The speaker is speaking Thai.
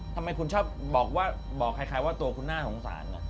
ทำไมคุณชอบบอกใครว่าตัวคุณน่าสงสาร